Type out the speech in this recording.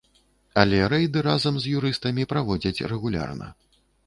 Але рэйды разам з юрыстамі праводзяць рэгулярна.